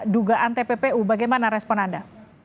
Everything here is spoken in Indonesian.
dugaan tppu bagaimana respon anda